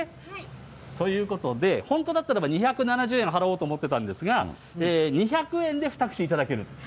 ということで、本当だったらば２７０円払おうと思ってたんですが、２００円で２串頂ける。